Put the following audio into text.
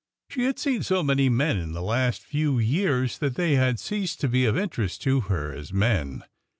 She had seen so many men in the last few years that they had ceased to be of interest to her as men.